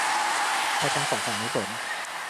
เพราะทั้งสองฝั่งไม่สน